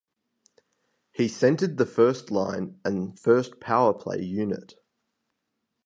He centred the first line and first power play unit.